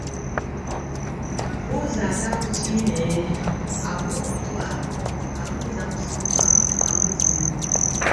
Buuza atakukiine, omuwa butwa abuuza musumba wa mbuzi .